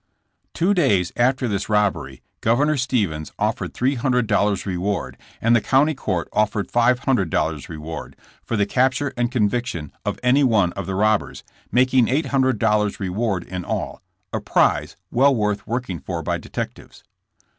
Two days after this robbery Governor Stephens offered three hundred dollars reward, and the County Court offered five hundred dollars reward, for the capture and conviction of any one of the robbers, 120 JKSSB JAMES. making eight hundred dollars reward in all, a prize well worth working for by detectives.